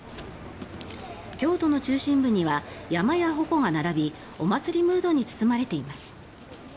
京都の中心部には山やほこが並びお祭りムードに包まれています。